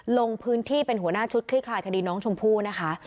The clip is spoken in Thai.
ลงพื้นที่เป็นหัวหน้าชุดคลี่คลายคดีน้องชมพู่นะคะ